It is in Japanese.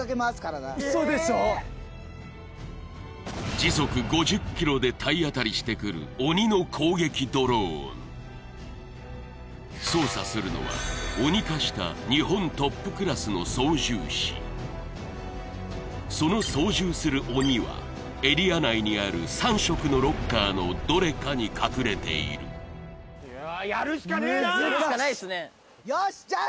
時速５０ｋｍで体当たりしてくる鬼の攻撃ドローン操作するのは鬼化した日本トップクラスの操縦士その操縦する鬼はエリア内にある３色のロッカーのどれかに隠れている難しいやるしかないっすねよしじゃあ